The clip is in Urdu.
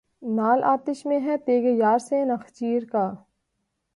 نعل آتش میں ہے تیغ یار سے نخچیر کا